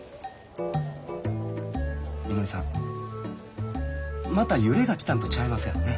みのりさんまた揺れが来たんとちゃいますやろな？